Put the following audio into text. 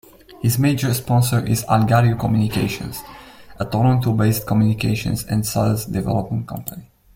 His major sponsor is Algario Communications, a Toronto-based communications and sales development company.